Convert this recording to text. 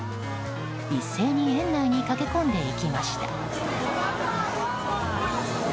一斉に園内に駆け込んでいきました。